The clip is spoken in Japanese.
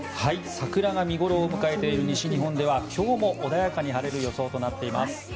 桜が見頃を迎えている西日本では今日も穏やかに晴れる予想となっています。